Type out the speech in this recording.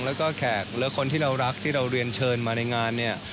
แล้วก็แขกและคนที่เรารักที่เราเรียนเชิญมาในงานเนี่ย